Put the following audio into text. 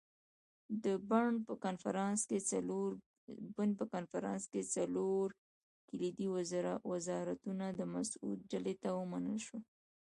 د بُن په کنفرانس کې څلور کلیدي وزارتونه د مسعود ډلې ته ومنل شول.